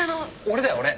俺だよ俺。